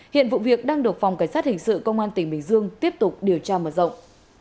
hiện vụ việc đang được phòng cảnh sát hình sự công an tỉnh bình dương tiếp tục điều tra mở rộng